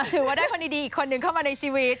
ถือว่าได้คนดีอีกคนนึงเข้ามาในชีวิต